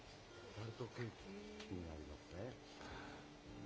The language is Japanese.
タルトケーキになりますね。